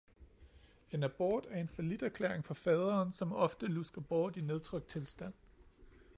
En abort er en falliterklæring for faderen, som ofte lusker bort i nedtrykt tilstand.